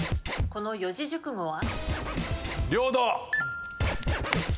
この四字熟語は？